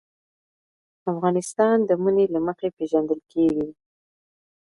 افغانستان د منی له مخې پېژندل کېږي.